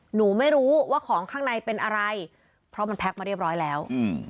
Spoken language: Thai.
หนูไม่รู้ว่าของข้างในเป็นอะไรเพราะมันแพ็คมาเรียบร้อยแล้วอืม